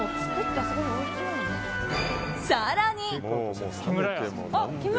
更に。